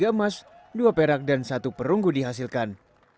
tiga emas dua perak dan satu perunggu dihasilkan